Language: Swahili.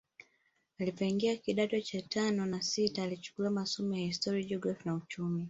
Alivyoingia kidato cha tano na sita alichukua masomo ya historia jiografia na uchumi